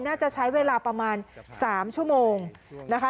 น่าจะใช้เวลาประมาณ๓ชั่วโมงนะคะ